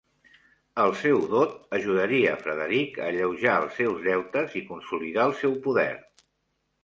El seu dot ajudaria Frederic a alleujar els seus deutes i consolidar el seu poder.